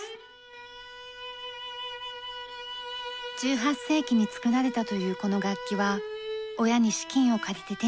１８世紀に作られたというこの楽器は親に資金を借りて手に入れました。